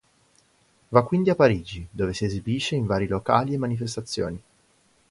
Va quindi a Parigi, dove si esibisce in vari locali e manifestazioni.